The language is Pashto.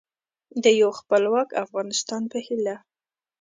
د یو خپلواک افغانستان په هیله